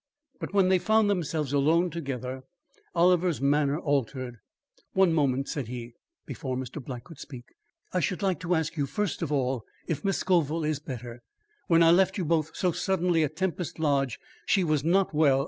But when they found themselves alone together, Oliver's manner altered. "One moment," said he, before Mr. Black could speak. "I should like to ask you first of all, if Miss Scoville is better. When I left you both so suddenly at Tempest Lodge, she was not well.